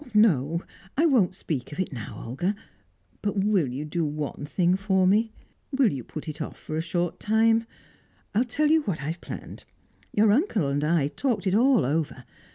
"No! I won't speak of it now, Olga. But will you do one thing for me? Will you put it off for a short time? I'll tell you what I've planned; your uncle and I talked it all over.